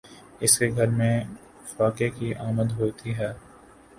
اس کے گھر میں فاقے کی آمد ہوتی ہے